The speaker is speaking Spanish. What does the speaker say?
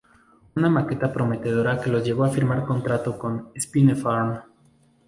Una maqueta prometedora que los llevó a firmar un trato con Spinefarm.